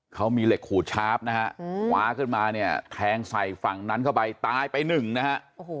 เขามีเหล็กขูดชาร์ฟนะฮะคว้าขึ้นมาเนี่ยแทงใส่ฝั่งนั้นเข้าไปตายไปหนึ่งนะฮะ